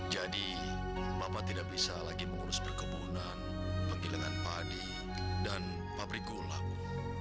jadi bapak tidak bisa lagi mengurus perkebunan pengilingan padi dan pabrik gula bu